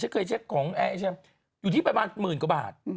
คือเชียกของอยู่ที่ประมาณ๑๐๐๐๐กว่าบาท